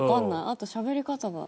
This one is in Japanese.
あとしゃべり方が。